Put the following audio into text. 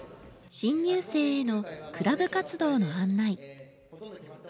新入生へのクラブ活動の案内。